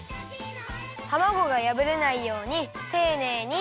たまごがやぶれないようにていねいに。